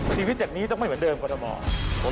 ชีวิตจักรนี้ต้องไม่เหมือนเดิมกับคุณธรรม